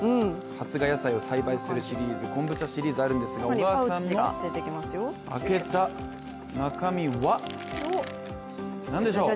発芽野菜を栽培するシリーズ昆布茶のシリーズがあるんですが小川さんの開けた中身はなんでしょう？